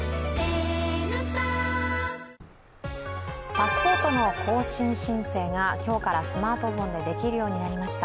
パスポートの更新申請が、今日からスマートフォンでできるようになりました。